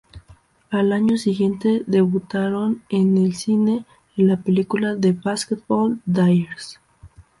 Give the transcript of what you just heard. Al año siguiente, debutaron en el cine en la película "The Basketball Diaries".